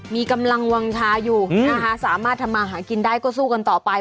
มีกำลังวางชาอยู่นะคะสามารถทำมาหากินได้ก็สู้กันต่อไป